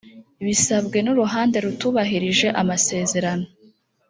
bisabwe n uruhande rutubahirije amasezerano